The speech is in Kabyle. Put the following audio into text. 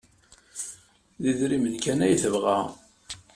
D idrimen kan ay tebɣa.